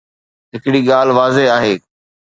هڪڙي ڳالهه واضح آهي.